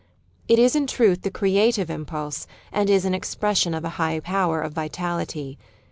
It is in truth the creative_ impulse, and is an expression of a high power of vitality.